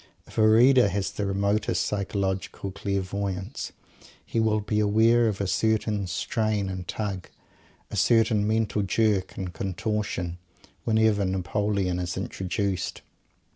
If a reader has the remotest psychological clairvoyance, he will be aware of a certain strain and tug, a certain mental jerk and contortion, whenever Napoleon is introduced.